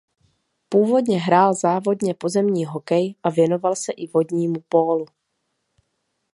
Původně hrál závodně pozemní hokej a věnoval se i vodnímu pólu.